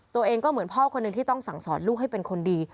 ตัวเองก็เหมือนพ่อคนหนึ่งที่ต้องสั่งสอนลูกให้เป็นคนดี